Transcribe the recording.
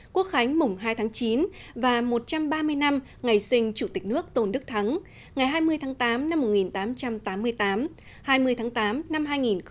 quốc khánh mùng hai tháng chín và một trăm ba mươi năm ngày sinh chủ tịch nước tôn đức thắng ngày hai mươi tháng tám năm một nghìn tám trăm tám mươi tám hai mươi tháng tám năm hai nghìn một mươi chín